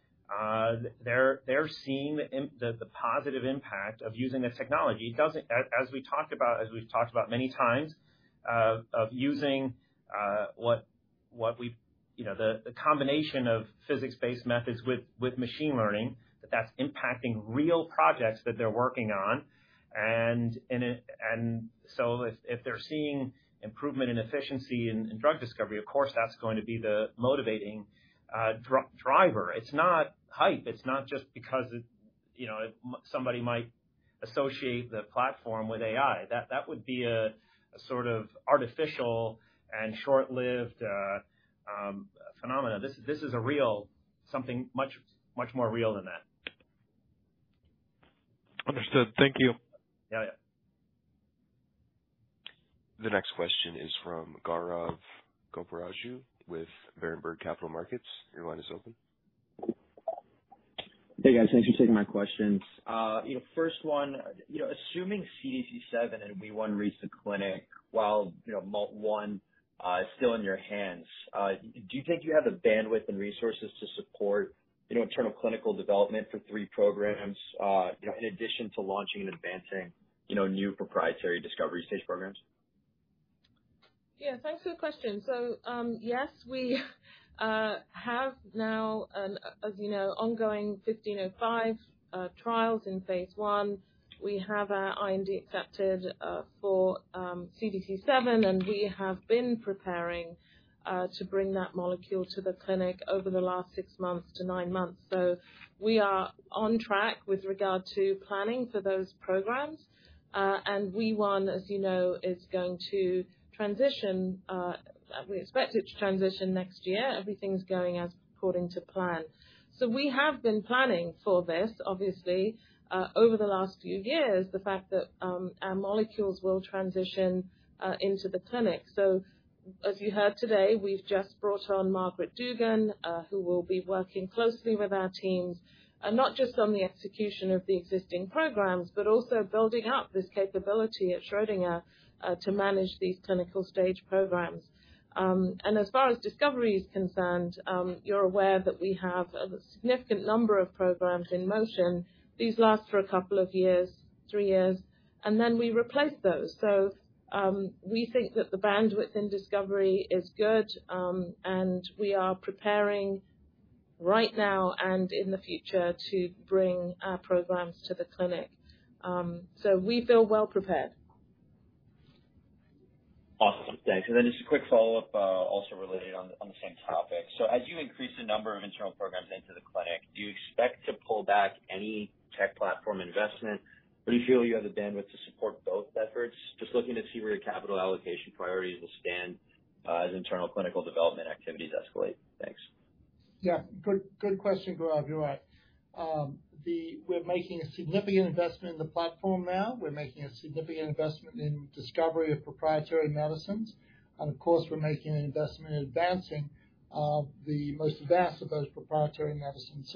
They're seeing the positive impact of using the technology. It doesn't. As, as we talked about, as we've talked about many times, of using what we've. You know, the combination of physics-based methods with machine learning, that that's impacting real projects that they're working on. If, if they're seeing improvement in efficiency in drug discovery, of course, that's going to be the motivating driver. It's not hype. It's not just because it, you know, somebody might associate the platform with AI. That, that would be a, a sort of artificial and short-lived phenomena. This, this is a real, something much, much more real than that. Understood. Thank you. Yeah, yeah. The next question is from Gaurav Goparaju with Berenberg Capital Markets. Your line is open. Hey, guys. Thanks for taking my questions. you know, first one, you know, assuming CDC7 and Wee1 reach the clinic while, you know, MALT1 is still in your hands, do you think you have the bandwidth and resources to support, you know, internal clinical development for 3 programs, you know, in addition to launching and advancing, you know, new proprietary discovery stage programs? Yeah, thanks for the question. Yes, we have now, as you know, ongoing 1505 trials in phase I. We have our IND accepted for CDC7, we have been preparing to bring that molecule to the clinic over the last 6 months to 9 months. We are on track with regard to planning for those programs. Wee1, as you know, is going to transition, we expect it to transition next year. Everything's going as according to plan. We have been planning for this, obviously, over the last few years, the fact that our molecules will transition into the clinic. As you heard today, we've just brought on Margaret Dugan, who will be working closely with our teams, and not just on the execution of the existing programs, but also building up this capability at Schrödinger, to manage these clinical stage programs. As far as discovery is concerned, you're aware that we have a significant number of programs in motion. These last for a couple of years, 3 years, and then we replace those. We think that the bandwidth in discovery is good, and we are preparing right now and in the future to bring our programs to the clinic. We feel well prepared. Awesome. Thanks. Just a quick follow-up, also related on, on the same topic. As you increase the number of internal programs into the clinic, do you expect to pull back any tech platform investment, or do you feel you have the bandwidth to support both efforts? Just looking to see where your capital allocation priorities will stand, as internal clinical development activities escalate. Thanks. Yeah, good, good question, Gaurav. You're right. We're making a significant investment in the platform now. We're making a significant investment in discovery of proprietary medicines, and of course, we're making an investment in advancing, the most advanced of those proprietary medicines.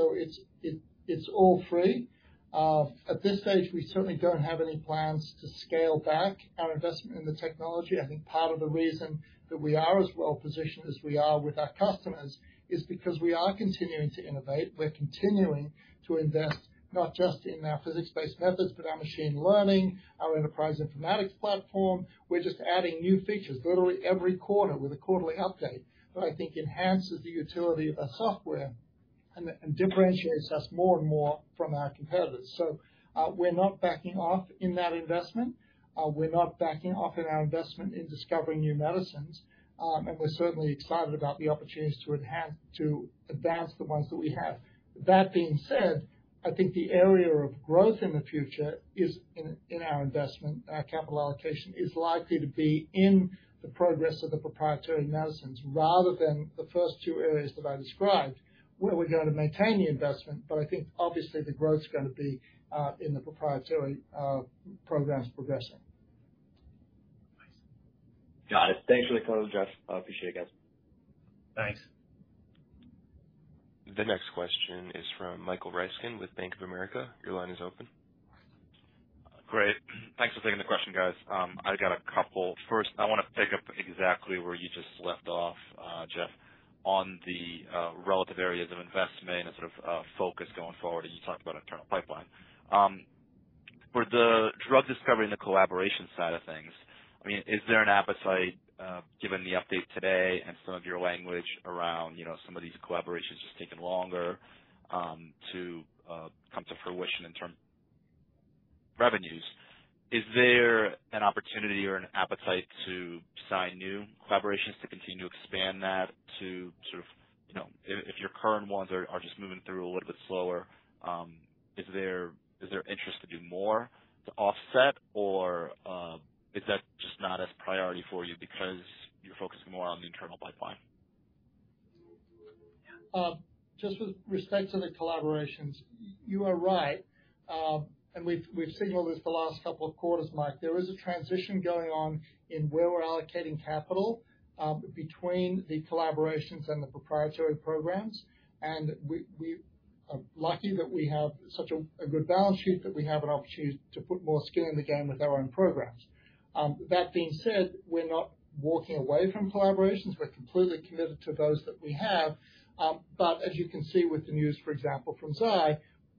It's all three. At this stage, we certainly don't have any plans to scale back our investment in the technology. I think part of the reason that we are as well positioned as we are with our customers is because we are continuing to innovate. We're continuing to invest, not just in our physics-based methods, but our machine learning, our enterprise informatics platform. We're just adding new features literally every quarter with a quarterly update, that I think enhances the utility of the software and, and differentiates us more and more from our competitors. We're not backing off in that investment. We're not backing off in our investment in discovering new medicines, and we're certainly excited about the opportunities to enhance, to advance the ones that we have. That being said, I think the area of growth in the future is in, in our investment. Our capital allocation is likely to be in the progress of the proprietary medicines rather than the first two areas that I described, where we're going to maintain the investment. I think obviously the growth is going to be in the proprietary programs progressing. Got it. Thanks for the call, Geoff. I appreciate it, guys. Thanks. The next question is from Michael Ryskin with Bank of America. Your line is open. Great. Thanks for taking the question, guys. I got a couple. First, I wanna pick up exactly where you just left off, Geoff, on the relative areas of investment and sort of focus going forward as you talk about internal pipeline. For the drug discovery and the collaboration side of things, I mean, is there an appetite, given the update today and some of your language around, you know, some of these collaborations just taking longer, to come to fruition in term revenues, is there an opportunity or an appetite to sign new collaborations, to continue to expand that, to sort of, you know, if, if your current ones are, are just moving through a little bit slower, is there, is there interest to do more to offset or, is that just not as priority for you because you're focusing more on the internal pipeline? Just with respect to the collaborations, you are right. We've, we've signaled this the last couple of quarters, Mike. There is a transition going on in where we're allocating capital between the collaborations and the proprietary programs, and we, we are lucky that we have such a, a good balance sheet, that we have an opportunity to put more skin in the game with our own programs. That being said, we're not walking away from collaborations. We're completely committed to those that we have. As you can see with the news, for example, from Zai,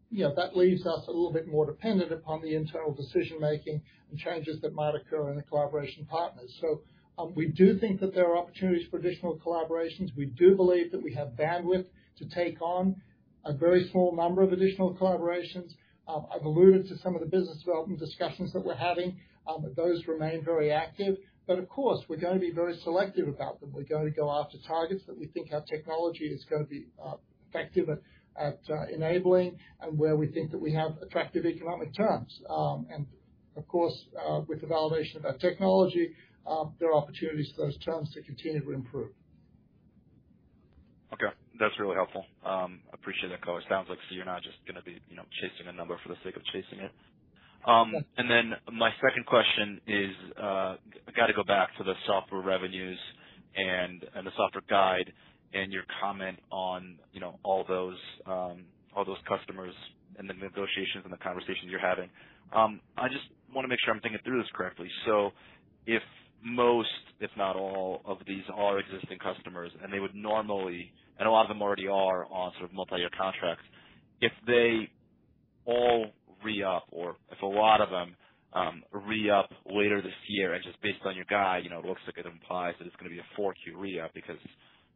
you know, that leaves us a little bit more dependent upon the internal decision making and changes that might occur in the collaboration partners. We do think that there are opportunities for additional collaborations. We do believe that we have bandwidth to take on a very small number of additional collaborations. I've alluded to some of the business development discussions that we're having, those remain very active, but of course, we're going to be very selective about them. We're going to go after targets that we think our technology is going to be effective at, at enabling and where we think that we have attractive economic terms. Of course, with the validation of our technology, there are opportunities for those terms to continue to improve. Okay. That's really helpful. Appreciate that color. It sounds like so you're not just gonna be, you know, chasing a number for the sake of chasing it. My second question is, I got to go back to the software revenues and the software guide and your comment on, you know, all those customers and the negotiations and the conversations you're having. I just wanna make sure I'm thinking through this correctly. If most, if not all, of these are existing customers and they would normally, and a lot of them already are on sort of multi-year contracts, if they all re-up or if a lot of them re-up later this year, and just based on your guide, you know, it looks like it implies that it's gonna be a 4Q re-up because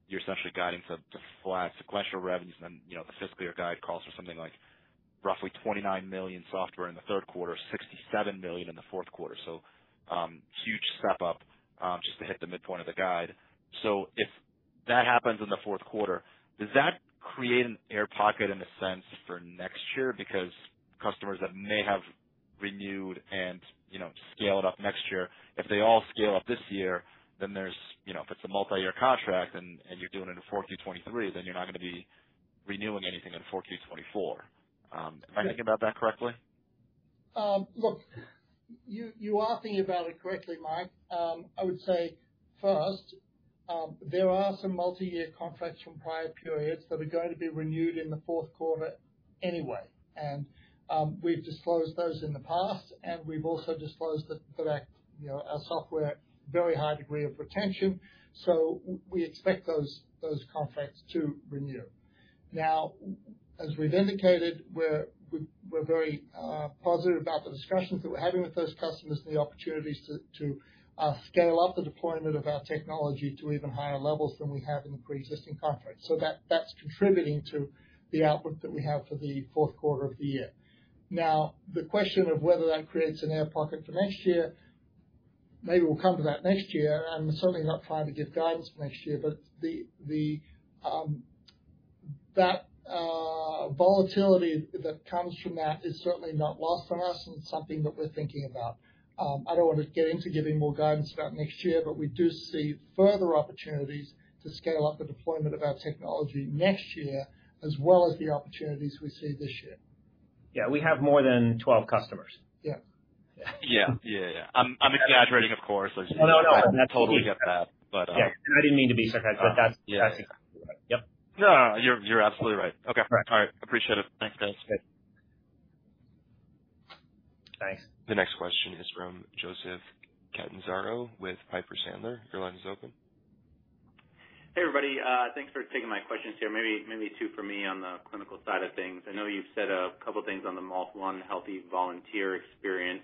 you're essentially guiding for, to flat sequential revenues. You know, the fiscal year guide calls for something like roughly $29 million software in the third quarter, $67 million in the fourth quarter. Huge step up just to hit the midpoint of the guide. If that happens in the fourth quarter, does that create an air pocket in a sense, for next year? Customers that may have renewed and, you know, scaled up next year, if they all scale up this year, then there's, you know, if it's a multi-year contract and, and you're doing it in 4Q 2023, then you're not going to be renewing anything in 4Q 2024. Am I thinking about that correctly? Look, you, you are thinking about it correctly, Mike. I would say first, there are some multi-year contracts from prior periods that are going to be renewed in the 4th quarter anyway. We've disclosed those in the past, and we've also disclosed that, that, you know, our software, very high degree of retention, so we expect those, those contracts to renew. Now, as we've indicated, we're very positive about the discussions that we're having with those customers and the opportunities to, to scale up the deployment of our technology to even higher levels than we have in the pre-existing contracts. That's contributing to the outlook that we have for the 4th quarter of the year. Now, the question of whether that creates an air pocket for next year, maybe we'll come to that next year. I'm certainly not trying to give guidance for next year, but the, the, that volatility that comes from that is certainly not lost on us and something that we're thinking about. I don't want to get into giving more guidance about next year, but we do see further opportunities to scale up the deployment of our technology next year as well as the opportunities we see this year. Yeah, we have more than 12 customers. Yeah. Yeah. Yeah, yeah. I'm, I'm exaggerating, of course. No, no, I totally get that. But, uh- Yeah, I didn't mean to be sarcastic, but that's- Yeah. Yep. No, you're, you're absolutely right. Okay. All right. Appreciate it. Thanks, guys. Thanks. The next question is from Joseph Catanzaro with Piper Sandler. Your line is open. Hey, everybody. Thanks for taking my questions here. Maybe, maybe two for me on the clinical side of things. I know you've said a couple of things on the MALT1 healthy volunteer experience.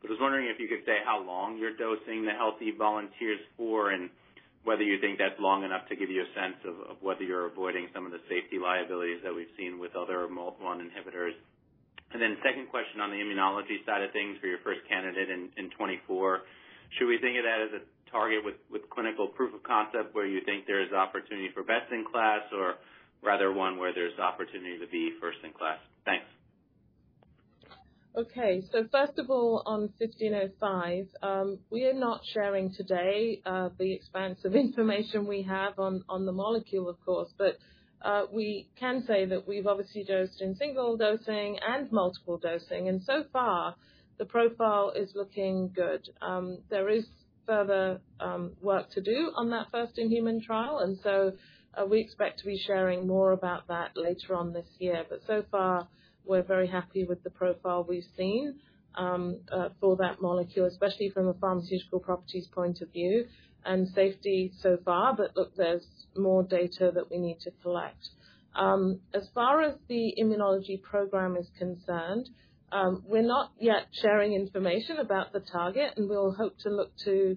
I was wondering if you could say how long you're dosing the healthy volunteers for and whether you think that's long enough to give you a sense of whether you're avoiding some of the safety liabilities that we've seen with other MALT1 inhibitors? Then second question on the immunology side of things for your first candidate in, in 2024. Should we think of that as a target with, with clinical proof of concept, where you think there is opportunity for best in class or rather one where there's opportunity to be first in class? Thanks. Okay. First of all, on 1505, we are not sharing today the expanse of information we have on the molecule, of course, but we can say that we've obviously dosed in single dosing and multiple dosing, and so far the profile is looking good. There is further work to do on that first in-human trial, and so we expect to be sharing more about that later on this year. So far, we're very happy with the profile we've seen for that molecule, especially from a pharmaceutical properties point of view and safety so far. Look, there's more data that we need to collect. As far as the immunology program is concerned, we're not yet sharing information about the target, and we'll hope to look to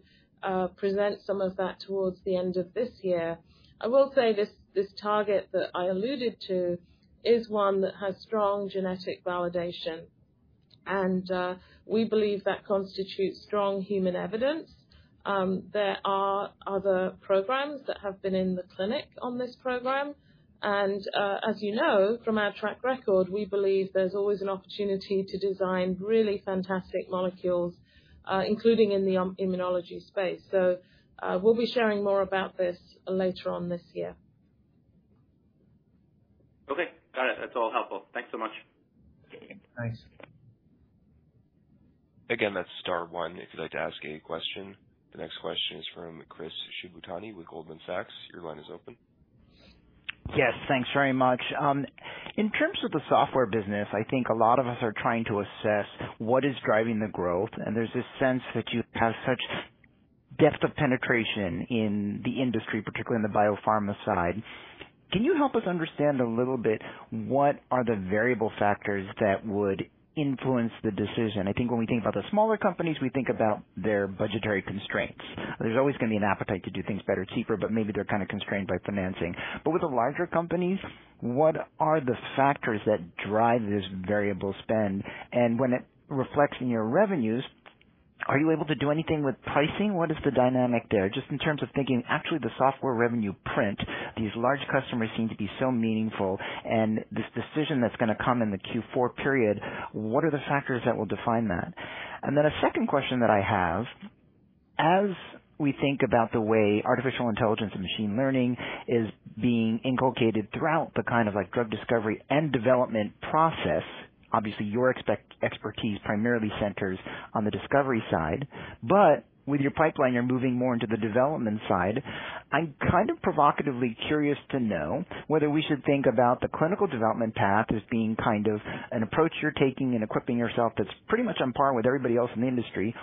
present some of that towards the end of this year. I will say this, this target that I alluded to is one that has strong genetic validation, and we believe that constitutes strong human evidence. There are other programs that have been in the clinic on this program, and as you know, from our track record, we believe there's always an opportunity to design really fantastic molecules, including in the immunology space. We'll be sharing more about this later on this year. Okay, got it. That's all helpful. Thanks so much. Thanks. Again, that's star one if you'd like to ask a question. The next question is from Chris Shibutani with Goldman Sachs. Your line is open. Yes, thanks very much. In terms of the software business, I think a lot of us are trying to assess what is driving the growth, and there's this sense that you have such depth of penetration in the industry, particularly in the biopharma side. Can you help us understand a little bit, what are the variable factors that would influence the decision? I think when we think about the smaller companies, we think about their budgetary constraints. There's always going to be an appetite to do things better, cheaper, but maybe they're kind of constrained by financing. With the larger companies, what are the factors that drive this variable spend? And when it reflects in your revenues, are you able to do anything with pricing? What is the dynamic there? Just in terms of thinking, actually the software revenue print, these large customers seem to be so meaningful and this decision that's going to come in the Q4 period, what are the factors that will define that? A second question that I have, as we think about the way artificial intelligence and machine learning is being inculcated throughout the kind of like drug discovery and development process, obviously, your expertise primarily centers on the discovery side, but with your pipeline, you're moving more into the development side. I'm kind of provocatively curious to know whether we should think about the clinical development path as being kind of an approach you're taking and equipping yourself that's pretty much on par with everybody else in the industry.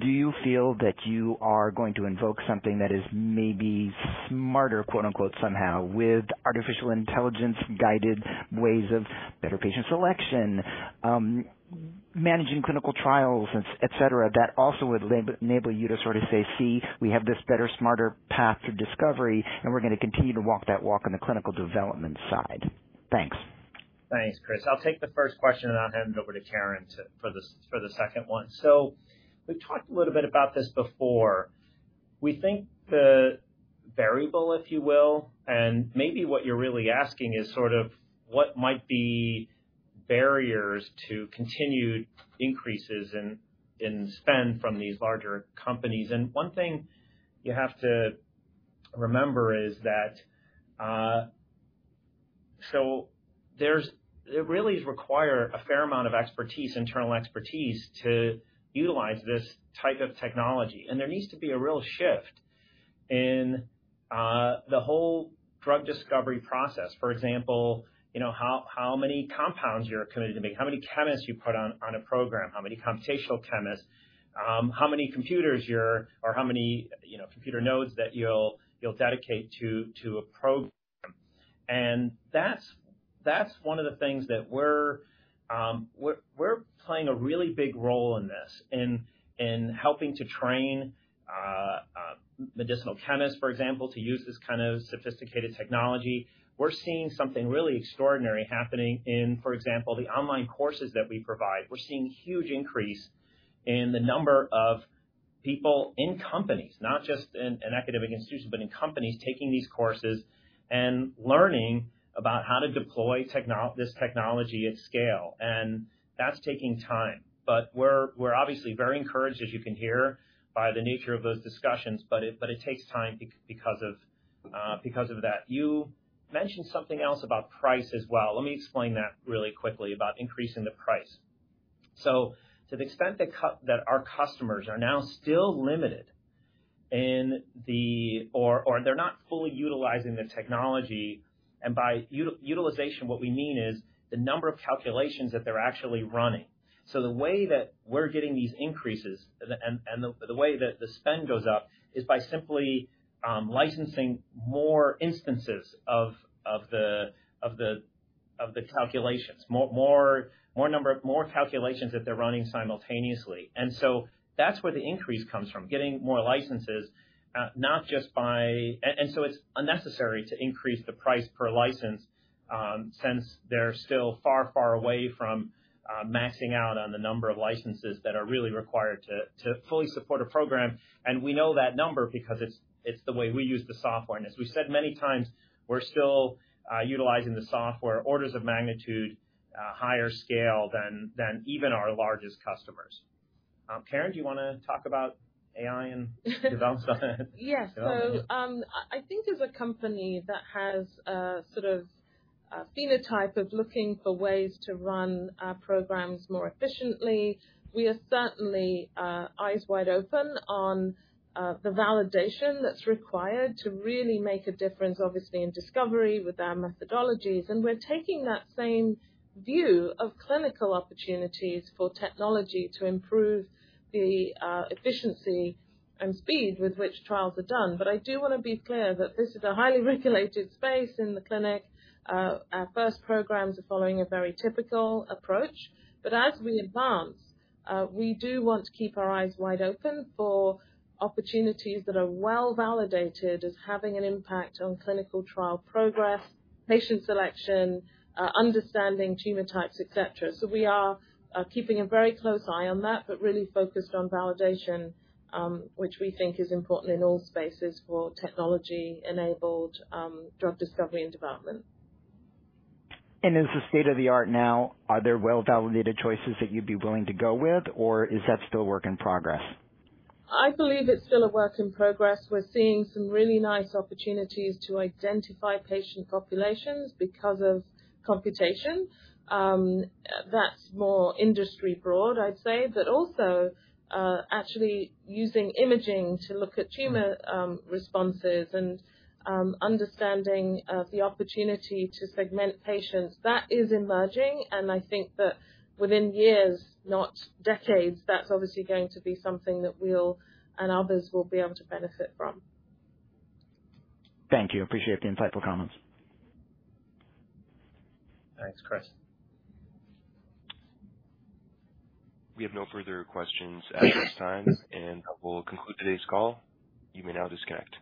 Do you feel that you are going to invoke something that is maybe smarter, quote-unquote, somehow, with artificial intelligence-guided ways of better patient selection, managing clinical trials, et cetera, that also would enable you to sort of say, "See, we have this better, smarter path to discovery, and we're going to continue to walk that walk on the clinical development side." Thanks. Thanks, Chris. I'll take the first question, and I'll hand it over to Karen for the second one. We've talked a little bit about this before. We think the variable, if you will, and maybe what you're really asking is sort of what might be barriers to continued increases in, in spend from these larger companies. 1 thing you have to remember is that, there's, it really require a fair amount of expertise, internal expertise, to utilize this type of technology. There needs to be a real shift in the whole drug discovery process. For example, you know, how, how many compounds you're committed to make, how many chemists you put on, on a program, how many computational chemists, how many computers you're, or how many, you know, computer nodes that you'll, you'll dedicate to, to a program. That's, that's one of the things that we're, we're, we're playing a really big role in this, in, in helping to train medicinal chemists, for example, to use this kind of sophisticated technology. We're seeing something really extraordinary happening in, for example, the online courses that we provide. We're seeing huge increase in the number of people in companies, not just in an academic institution, but in companies, taking these courses and learning about how to deploy this technology at scale. That's taking time. We're, we're obviously very encouraged, as you can hear, by the nature of those discussions. It, but it takes time because of, because of that. You mentioned something else about price as well. Let me explain that really quickly about increasing the price. To the extent that our customers are now still limited, or they're not fully utilizing the technology, and by utilization, what we mean is the number of calculations that they're actually running. The way that we're getting these increases and the way that the spend goes up is by simply licensing more instances of the calculations, more calculations that they're running simultaneously. That's where the increase comes from, getting more licenses. It's unnecessary to increase the price per license, since they're still far, far away from maxing out on the number of licenses that are really required to fully support a program. We know that number because it's the way we use the software. As we've said many times, we're still utilizing the software orders of magnitude higher scale than, than even our largest customers. Karen, do you wanna talk about AI and development? Yes. I, I think as a company that has a sort of a phenotype of looking for ways to run our programs more efficiently, we are certainly, eyes wide open on the validation that's required to really make a difference, obviously, in discovery with our methodologies. We're taking that same view of clinical opportunities for technology to improve the efficiency and speed with which trials are done. I do want to be clear that this is a highly regulated space in the clinic. Our first programs are following a very typical approach, but as we advance, we do want to keep our eyes wide open for opportunities that are well-validated as having an impact on clinical trial progress, patient selection, understanding tumor types, et cetera. We are keeping a very close eye on that, but really focused on validation, which we think is important in all spaces for technology-enabled, drug discovery and development. Is the state of the art now, are there well-validated choices that you'd be willing to go with, or is that still a work in progress? I believe it's still a work in progress. We're seeing some really nice opportunities to identify patient populations because of computation. That's more industry broad, I'd say. Also, actually using imaging to look at tumor responses and understanding the opportunity to segment patients. That is emerging, and I think that within years, not decades, that's obviously going to be something that we'll and others will be able to benefit from. Thank you. Appreciate the insightful comments. Thanks, Chris. We have no further questions at this time. We'll conclude today's call. You may now disconnect.